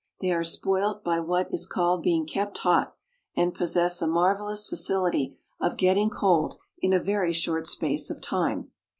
They are spoilt by what is called being kept hot, and possess a marvellous facility of getting cold in a very short space of time.